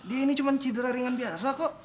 dia ini cuma cedera ringan biasa kok